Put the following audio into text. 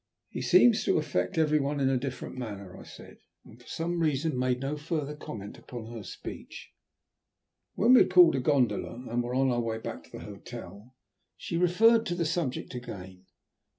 "He seems to affect every one in a different manner," I said, and for some reason made no further comment upon her speech. When we had called a gondola, and were on our way back to our hotel, she referred to the subject again.